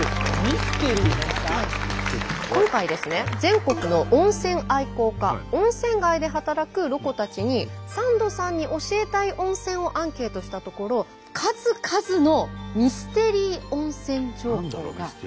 今回ですね全国の温泉愛好家温泉街で働くロコたちにサンドさんに教えたい温泉をアンケートしたところミステリー？